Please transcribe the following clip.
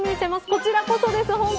こちらこそです。